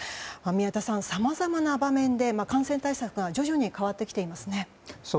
宮田さん、さまざまな場面で感染対策が徐々に変わってきていますね。